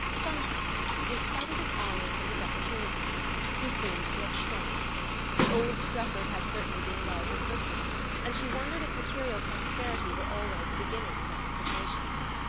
Somehow, in spite of his honours and his opportunities, he seemed to have shrunk. The old Strefford had certainly been a larger person, and she wondered if material prosperity were always a beginning of ossification.